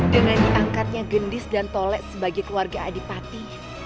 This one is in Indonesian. dengan diangkatnya gendis dan tolet sebagai keluarga adipati